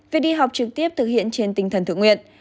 việc đi học trực tiếp thực hiện trên tinh thần thượng nguyện